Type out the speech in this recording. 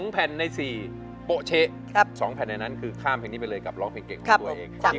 แผ่นใน๔โป๊เช๊๒แผ่นในนั้นคือข้ามเพลงนี้ไปเลยกับร้องเพลงเก่งของตัวเอง